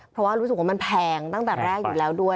เพราะว่ารู้สึกว่ามันแพงตั้งแต่แรกอยู่แล้วด้วย